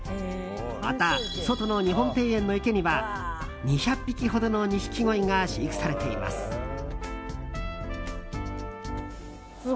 また、外の日本庭園の池には２００匹ほどのニシキゴイが飼育されています。